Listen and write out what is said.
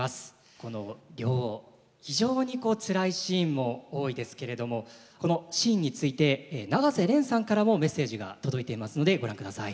この亮非常にこうつらいシーンも多いですけれどもこのシーンについて永瀬廉さんからもメッセージが届いていますのでご覧ください。